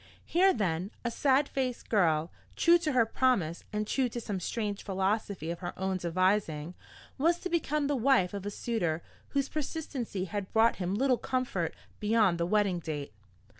Here then, a sad faced girl, true to her promise and true to some strange philosophy of her own devising, was to become the wife of a suitor whose persistency had brought him little comfort beyond the wedding date.